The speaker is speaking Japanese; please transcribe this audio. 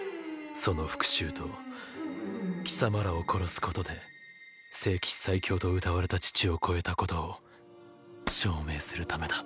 その復讐と貴様らを殺すことで聖騎士最強とうたわれた父を超えたことを証明するためだ。